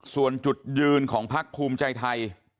ส่วนจุดยืนของพักภูมิใจไทย